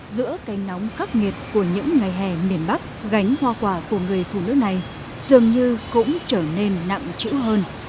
giữa cây nóng khắc nghiệt của những ngày hè miền bắc gánh hoa quả của người phụ nữ này dường như cũng trở nên nặng chữ hơn